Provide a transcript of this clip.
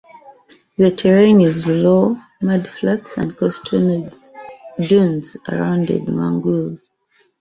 The terrain is low mudflats and coastal dunes around the mangroves.